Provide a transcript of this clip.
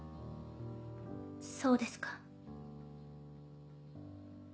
そうですか。